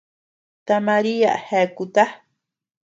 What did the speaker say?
Ta María jeakuta.